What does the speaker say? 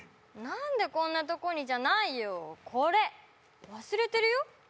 何でこんなとこにじゃないよこれ忘れてるよ